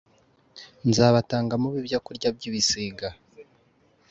Nzabatanga mube ibyokurya by ibisiga .